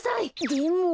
でも。